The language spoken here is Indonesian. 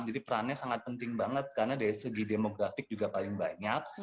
jadi perannya sangat penting banget karena dari segi demografik juga paling banyak